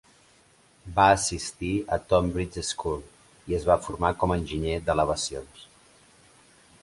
Va assistir a Tonbridge School i es va formar com enginyer d"elevacions.